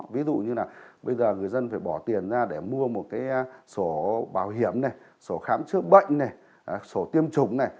ví dụ như là bây giờ người dân phải bỏ tiền ra để mua một cái sổ bảo hiểm này sổ khám chữa bệnh này sổ tiêm chủng này